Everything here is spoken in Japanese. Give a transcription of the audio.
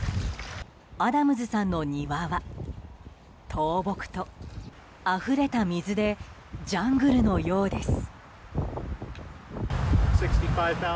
アダムズさんの庭は倒木と、あふれた水でジャングルのようです。